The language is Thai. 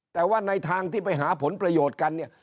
แต่ว่าในทางที่ไปหาผลประโยชน์กันเนี่ย